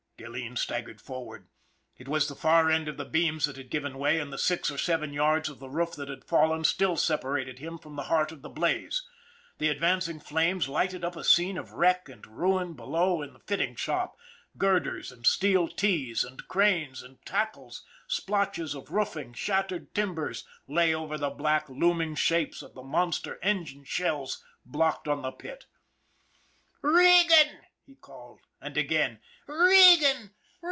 Gilleen staggered forward. It was the far end of the beams that had given away and the six or seven yards of the roof that had fallen still separated him from the heart of the blaze. The advancing flames lighted up a scene of wreck and ruin below in the fitting shop girders and steel Ts and cranes and tackles, splotches of roofing, shattered timbers, lay over the black looming shapes of the monster engine shells blocked on the pit. " Regan !" he called ; and again :" Regan